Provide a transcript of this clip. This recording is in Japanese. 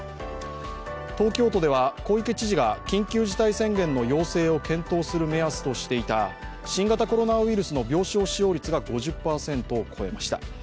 東京都では、小池知事が緊急事態宣言の要請を検討する目安としていた新型コロナウイルスの病床使用率が５０％を超えました。